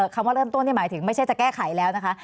คำว่าเริ่มต้นนี่หมายถึงไม่ใช่จะแก้ไขแล้วนะคะ